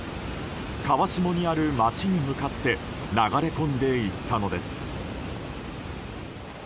川下にある街に向かって流れ込んでいったのです。